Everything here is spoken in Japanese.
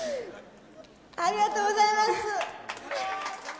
ありがとうございます。